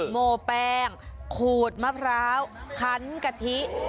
โมแป้งขูดมะพร้าวคันกะทิ